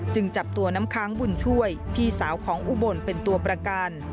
จับตัวน้ำค้างบุญช่วยพี่สาวของอุบลเป็นตัวประกัน